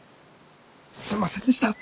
すいませんでした。